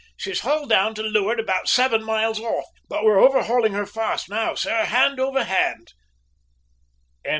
She's hull down to leeward about seven miles off! But we're overhauling her fast now, sir, hand over hand!"